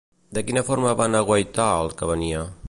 De quina forma van aguaitar el que venia?